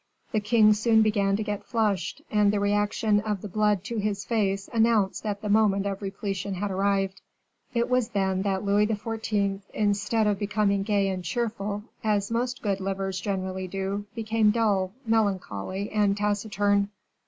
The king soon began to get flushed and the reaction of the blood to his face announced that the moment of repletion had arrived. It was then that Louis XIV., instead of becoming gay and cheerful, as most good livers generally do, became dull, melancholy, and taciturn.